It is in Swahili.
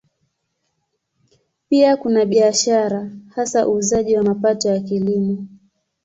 Pia kuna biashara, hasa uuzaji wa mapato ya Kilimo.